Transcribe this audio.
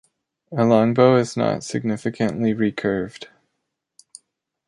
A longbow is not significantly recurved.